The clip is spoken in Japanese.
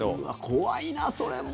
怖いな、それも。